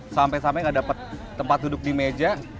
sampai sampai gak dapat tempat duduk di meja